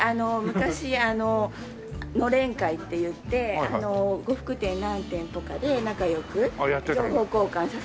昔「のれん会」っていって呉服店何店舗かで仲良く情報交換させて頂いたりとか。